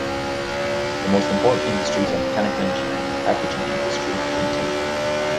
The most important industries are mechanical engineering, the packaging industry, and timber.